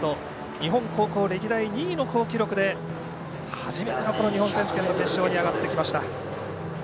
日本高校歴代２位の好記録で初めての日本選手権の決勝に上がってきました。